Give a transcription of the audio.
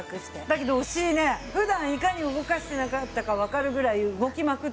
だけどお尻普段いかに動してなかったかわかるぐらい動きまくってる。